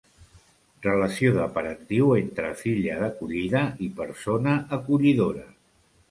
Relació de parentiu entre filla d'acollida i persona acollidora.